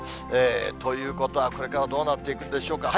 ということはこれからどうなっていくんでしょうか。